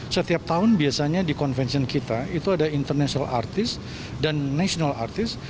setiap tahun biasanya di konvensi kita itu ada international artist dan national artist